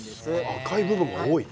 赤い部分が多いね。